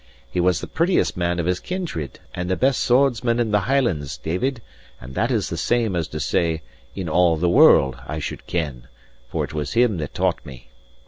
He was the prettiest man of his kindred; and the best swordsman in the Hielands, David, and that is the same as to say, in all the world, I should ken, for it was him that taught me.